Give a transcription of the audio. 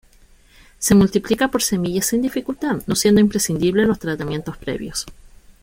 Se multiplica por semillas sin dificultad, no siendo imprescindibles los tratamientos previos.